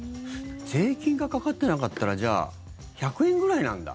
税金がかかってなかったら１００円ぐらいなんだ。